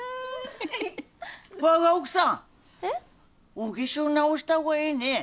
お化粧直した方がええね。